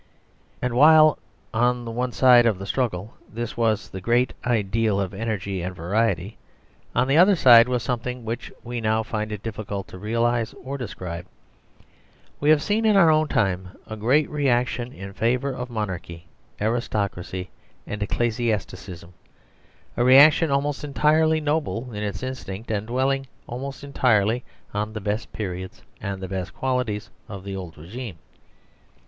And while on the one side of the struggle was this great ideal of energy and variety, on the other side was something which we now find it difficult to realise or describe. We have seen in our own time a great reaction in favour of monarchy, aristocracy, andecclesiasticism, a reaction almost entirely noble in its instinct, and dwelling almost entirely on the best periods and the best qualities of the old régime.